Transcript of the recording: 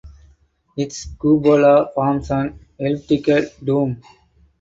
Its cupola forms an elliptical dome.